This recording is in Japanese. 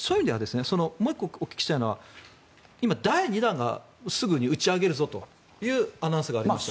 もう１個お聞きしたいのは今、第２弾をすぐに打ち上げるぞというアナウンスがありましたが。